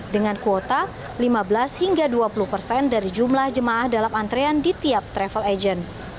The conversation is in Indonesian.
dengan kuota lima belas hingga dua puluh persen dari jumlah jemaah dalam antrean di tiap travel agent